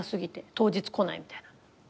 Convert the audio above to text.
当日来ないみたいな。